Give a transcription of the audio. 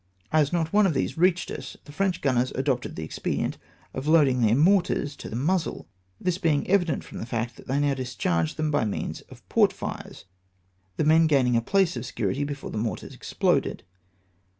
As not one of these reached us, the French gunners adopted the expedient of loading their mortars to the muzzle, this being evident from the fact that they now discharged them by means of portfires, the men gaining a place of security before the mortars exploded.